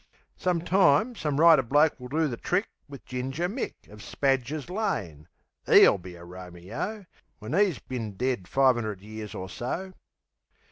Some time, some writer bloke will do the trick Wiv Ginger Mick, Of Spadger's Lane. 'E'LL be a Romeo, When 'e's bin dead five 'undred years or so.